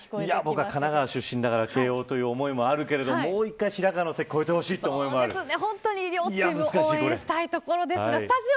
僕は神奈川出身だから慶応も応援したいですけどもう１回、白河の関を越えてほしいという気持ちもあります。